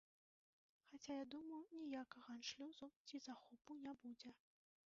Хаця я думаю, ніякага аншлюсу ці захопу не будзе.